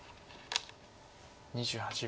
２８秒。